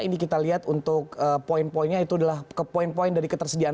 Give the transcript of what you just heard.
ini kita lihat untuk poin poinnya itu adalah poin poin dari ketersediaan